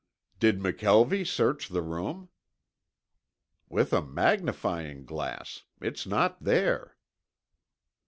"Did McKelvie search the room?" "With a magnifying glass. It's not there."